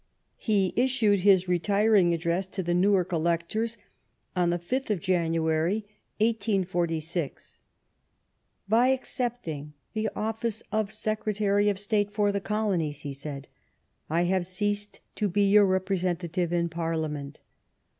He issued his retiring address to the Newark electors on the 5th .of January, 1846. "By accepting the office of Secretary of State for the Colonies," he said, " I have ceased to be your representative in Parliament.